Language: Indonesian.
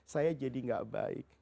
saya jadi gak baik